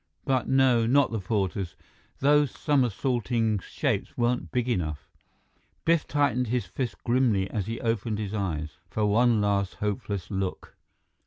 But no, not the porters; those somersaulting shapes weren't big enough. Biff tightened his fists grimly as he opened his eyes for one last hopeless look.